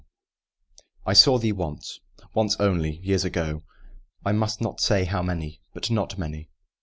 ] I saw thee once once only years ago: I must not say how many but not many.